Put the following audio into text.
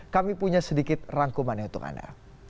kami punya sedikit rangkumannya untuk anda